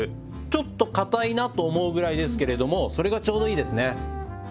ちょっと硬いなと思うぐらいですけれどもそれがちょうどいいですね。